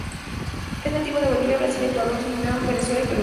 Es nativo de Bolivia, Brasil, Ecuador, Surinam, Venezuela y del Perú.